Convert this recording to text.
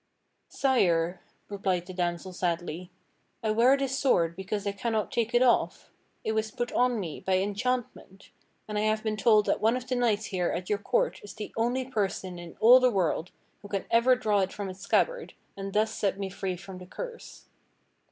^" "Sire" replied the damsel sadly, "I wear this sword because I cannot take it off. It was put on me by enchantment; and I have been told that one of the knights here at your court is the only person in all the world who can ever draw it from its scabbard, and thus set me free from the curse."